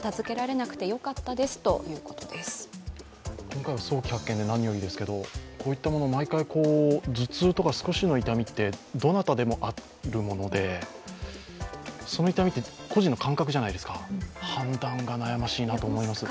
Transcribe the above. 今回は早期発見で何よりですけど、こういったもの、毎回頭痛とか少しの痛みってどなたでもあるものでその痛みって個人の感覚じゃないですか、判断が悩ましいなと思います。